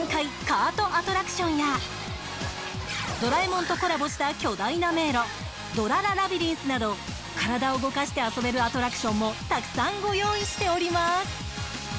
カートアトラクションやドラえもんとコラボした巨大な迷路ドラ・ラ・ラビリンスなど体を動かして遊べるアトラクションもたくさんご用意しております。